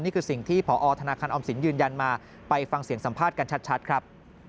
นี่คือสิ่งที่พอธนาคารออมสินยืนยันมาไปฟังเสียงสัมภาษณ์กันชัดครับ